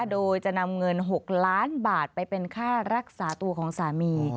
โดยจะนำเงิน๖ล้านบาทไปเป็นค่ารักษาตัวของสามี